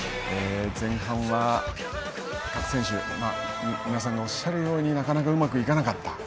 前半は各選手皆さんがおっしゃるようになかなかうまくいかなかった。